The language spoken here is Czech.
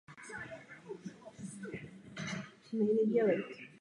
Brzo nato vznikla pod klášterem osada.